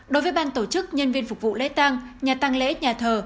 đối với ban tổ chức nhân viên phục vụ lễ tăng nhà tăng lễ nhà thờ